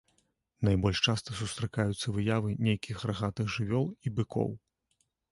Найбольш часта сустракаюцца выявы нейкіх рагатых жывёл і быкоў.